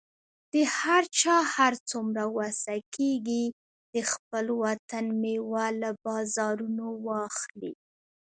د هر چا هر څومره وسه کیږي، د خپل وطن میوه له بازارونو واخلئ